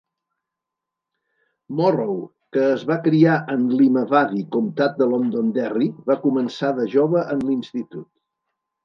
Morrow, que es va criar en Limavady, comtat de Londonderry, va començar de jove en l'Institut.